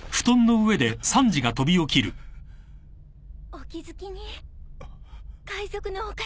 お気付きに海賊のお方。